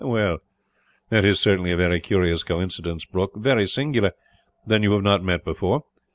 "That is certainly a very curious coincidence, Brooke; very singular. Then you have not met before?"